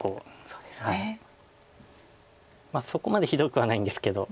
そこまでひどくはないんですけど。